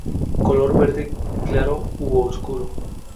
Color verde claro u oscuro.